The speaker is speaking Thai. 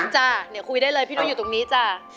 จ้ะเดี๋ยวคุยได้เลยพี่นุ้ยอยู่ตรงนี้จ้ะ